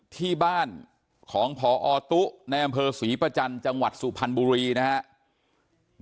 ที่บ้านของผอตุ๊กแนวบริเวณสวีประจันทร์จังหวัดสุพรรณบุรีนะฮะ